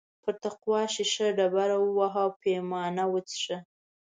پر تقوا شیشه ډبره ووهه او پیمانه وڅښه.